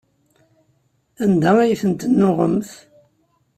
Anda ay tent-tennuɣemt?